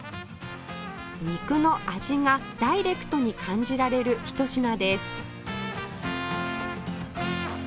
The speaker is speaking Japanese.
肉の味がダイレクトに感じられるひと品です